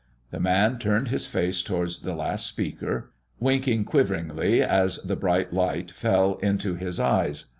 The man turned his face towards the last speaker, winking quiveringly as the bright light fell upon his eyes.